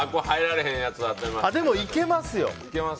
でもいけますよ。